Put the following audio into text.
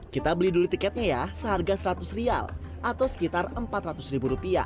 kita beli dulu tiketnya ya seharga seratus rial atau sekitar empat ratus ribu rupiah